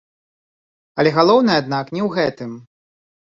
Але галоўнае, аднак, не ў гэтым.